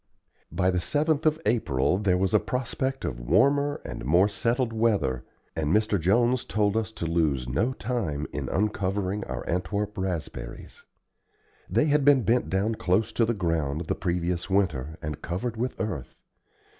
By the 7th of April there was a prospect of warmer and more settled weather, and Mr. Jones told us to lose no time in uncovering our Antwerp raspberries. They had been bent down close to the ground the previous winter and covered with earth.